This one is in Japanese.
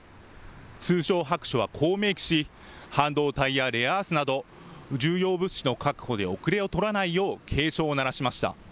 通商白書はこう明記し、半導体やレアアースなど重要物資の確保で後れを取らないよう警鐘を鳴らしました。